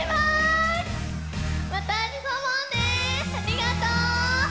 ありがとう！